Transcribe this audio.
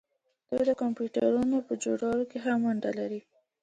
دوی د کمپیوټرونو په جوړولو کې هم ونډه لري.